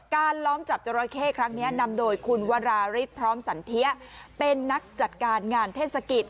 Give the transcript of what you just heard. ล้อมจับจราเข้ครั้งนี้นำโดยคุณวราริสพร้อมสันเทียเป็นนักจัดการงานเทศกิจ